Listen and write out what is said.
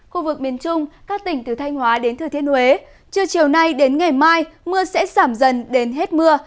khu vực miền trung các tỉnh từ thanh hóa đến thừa thiên huế trưa chiều nay đến ngày mai mưa sẽ giảm dần đến hết mưa